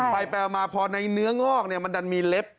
แปลไปมาพอในเนื้องอกมันมีเล็บ